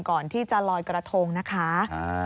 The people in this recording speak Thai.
ก่อนที่จะลอยกระทงนะคะ